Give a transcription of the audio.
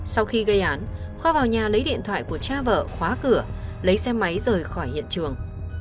sau khi gây án kho vào nhà lấy điện thoại của cha vợ khóa cửa lấy xe máy rời khỏi hiện trường